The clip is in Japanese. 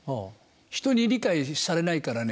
ひとに理解されないからね